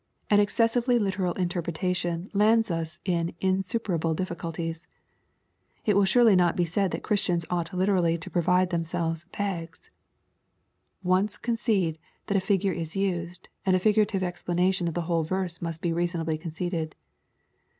An ex cessively literal interpretation lands us in insuperable difficulties. It will surely not be said that Christians ought literally to provide themselves " bags." Once concede that a figure is used, and a figurative explanation of the whole verse must be reason ably conceded.